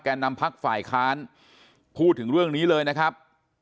นำพักฝ่ายค้านพูดถึงเรื่องนี้เลยนะครับ